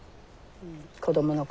子どもの頃。